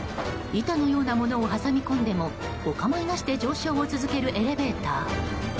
板のようなものを挟み込んでもお構いなしで上昇を続けるエレベーター。